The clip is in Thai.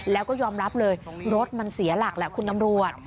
แล้วก็ยอมรับเลยรถมันเสียหลักแหละคุณตำรวจ